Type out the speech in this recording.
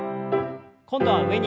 今度は上に。